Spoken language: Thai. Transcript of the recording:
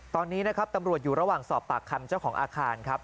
ตอนนี้นะครับตำรวจอยู่ระหว่างสอบปากคำเจ้าของอาคารครับ